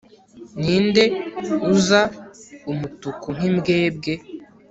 ninde uza umutuku nkimbwebwe